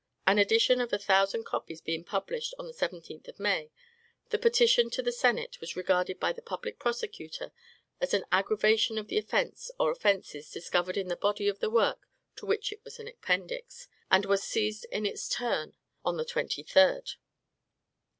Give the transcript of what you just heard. An edition of a thousand copies being published on the 17th of May, the "Petition to the Senate" was regarded by the public prosecutor as an aggravation of the offence or offences discovered in the body of the work to which it was an appendix, and was seized in its turn on the 23d.